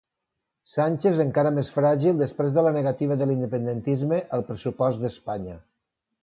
Sánchez encara més fràgil després de la negativa de l'independentisme al pressupost d'Espanya.